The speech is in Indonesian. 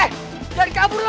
eh jangan kabur lu